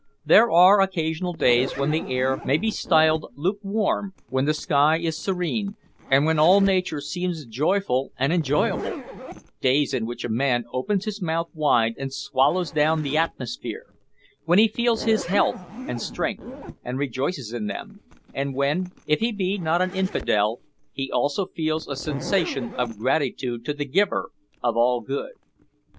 There are occasional days when the air may be styled lukewarm, when the sky is serene, and when all nature seems joyful and enjoyable, days in which a man opens his mouth wide and swallows down the atmosphere; when he feels his health and strength, and rejoices in them, and when, if he be not an infidel, he also feels a sensation of gratitude to the Giver of all good.